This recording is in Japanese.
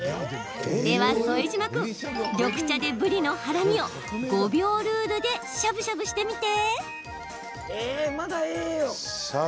では副島君、緑茶でぶりの腹身を５秒ルールでしゃぶしゃぶしてみて。